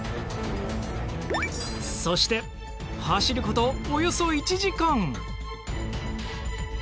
そして走ることおよそ１時間。